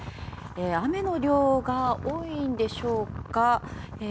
雨の量が多いんでしょうか。